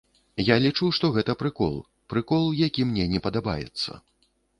Я лічу, што гэта прыкол, прыкол, які мне не падабаецца.